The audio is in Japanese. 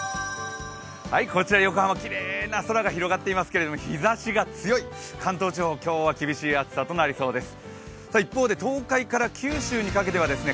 こちら横浜、きれいな空が広がっていますけれども日ざしが強い、関東地方、今日は厳しい暑さとなりそうです。